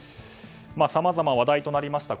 さまざま話題となりました